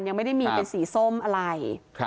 ยังไม่ได้มีเป็นสีส้มอะไร